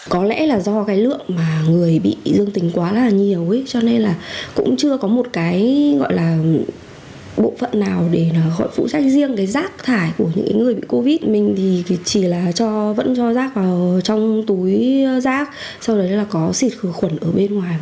các loại rác vẫn cho rác vào trong túi rác sau đấy là có xịt khử khuẩn ở bên ngoài và vẫn cho vào hố rác thôi